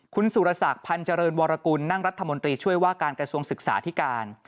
คุณสุรศักดิ์พันธ์เจริญวรกุลนั่งรัฐมนตรีช่วยว่าการกระทรวงศึกษาที่การ